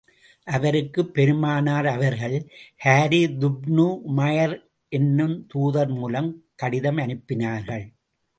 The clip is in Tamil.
அவருக்குப் பெருமானார் அவர்கள் ஹாரிதுப்னு உமைர் என்னும் தூதர் மூலம் கடிதம் அனுப்பினார்கள்.